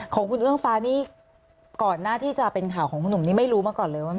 ของคุณเอื้องฟ้านี่ก่อนหน้าที่จะเป็นข่าวของคุณหนุ่มนี่ไม่รู้มาก่อนเลยว่า